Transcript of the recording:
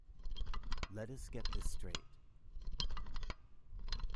Let us get this straight.